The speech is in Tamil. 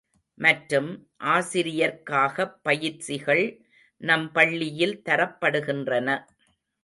மற்றும், ஆசிரியர்க்காகப் பயிற்சிகள் நம் பள்ளியில் தரப்படுகின்றன.